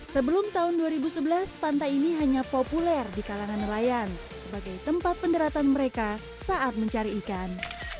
sebelum tahun dua ribu sebelas pantai ini hanya populer di kalangan nelayan sebagai tempat pendaratan mereka saat mencari ikan